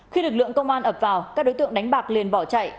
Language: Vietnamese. khi lực lượng công an ập vào các đối tượng đánh bạc liền bỏ chạy